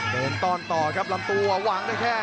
ต้อนต่อครับลำตัววางด้วยแค่